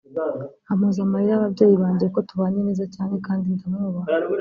ampoza amarira y’ababyeyi banjye kuko tubanye neza cyane kandi ndamwubaha